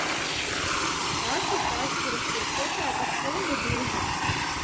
Tās ir tās, kuras tiek kotētas fondu biržā.